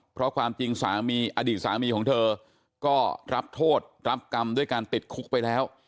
เพราะความจริงสามีอดีตสามีของเธอก็รับโทษรับกรรมด้วยการติดคุกไปแล้ว